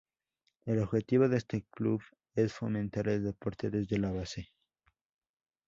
El objetivo de este club es fomentar el deporte desde la base.